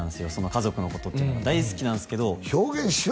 家族のことっていうのは大好きなんすけど表現しろよ